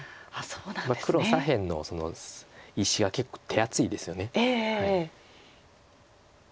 黒は左辺の石が結構手厚いですよね。